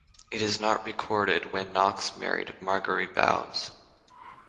It is not recorded when Knox married Margery Bowes.